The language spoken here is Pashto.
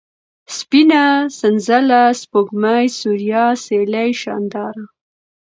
سپينه ، سنځله ، سپوږمۍ ، سوریا ، سېلۍ ، شانداره